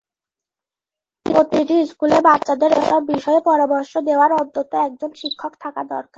প্রতিটি স্কুলে বাচ্চাদের এসব বিষয়ে পরামর্শ দেওয়ার অন্তত একজন শিক্ষক থাকা দরকার।